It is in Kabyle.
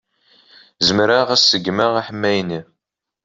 Zemreɣ ad ṣeggmeɣ aḥemmay-nni.